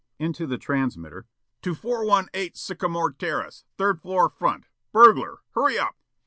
Into the transmitter: "To 418 Sagamore Terrace, third floor front. Burglar. Hurry up!"